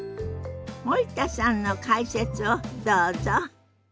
森田さんの解説をどうぞ。